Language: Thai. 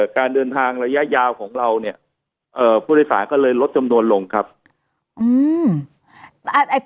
การเดินทางระยะยาวของเราเนี่ยเอ่อผู้โดยสารก็เลยลดจำนวนลงครับอืม